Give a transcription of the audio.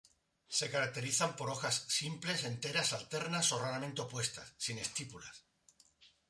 Se caracterizan por hojas simples, enteras, alternas o raramente opuestas, sin estípulas.